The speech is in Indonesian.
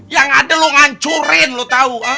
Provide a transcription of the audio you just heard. yang ada lu ngancurin lu tau